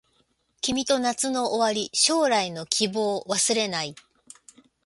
君と夏の終わり将来の希望忘れない